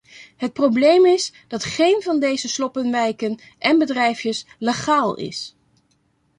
Het probleem is dat geen van deze sloppenwijken en bedrijfjes legaal is.